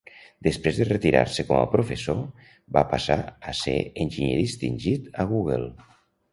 Després de retirar-se com a professor, va passar a ser enginyer distingit a Google.